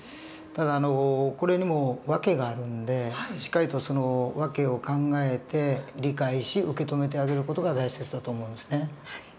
ただこれにも訳があるんでしっかりとその訳を考えて理解し受け止めてあげる事が大切だと思うんですね。